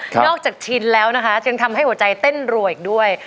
นอกจากชินแล้วนะคะยังทำให้หัวใจเต้นรัวอีกด้วย